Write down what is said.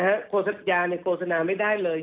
โฆษยาโฆษณาไม่ได้เลย